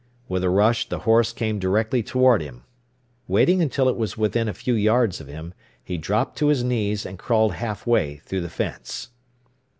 With a rush the horse came directly toward him. Waiting until it was within a few yards of him, he dropped to his knees, and crawled half way through the fence.